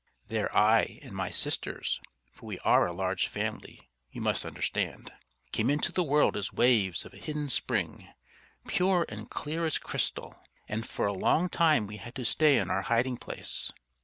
There I and my sisters for we are a large family, you must understand came into the world as waves of a hidden spring, pure and clear as crystal; and for a long time we had to stay in our hiding place.